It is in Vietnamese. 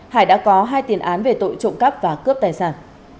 hải đã có hai tiền án về tội trộm cắp và cướp tài sản